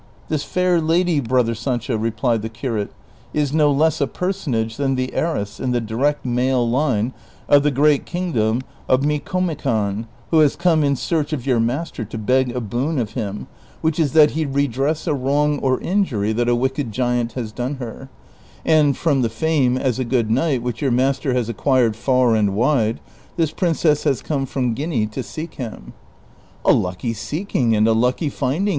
" This fair lady, brother Sancho," replied the curate, " is no less a personage than the heiress in the direct male line of the great kingdom of Micomicon, who has come in search of your master to beg a boon of him, which is that he redress a wrong or injury that a wicked giant has done her ; and from the fame 240 BON QUIXOTE. as a good knight which your master has ac(i[iiired far and wide, this princess has come from Guinea to seek him." " A lucky seeking and a kicky finding